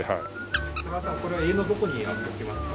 高田さんこれは家のどこに置きますか？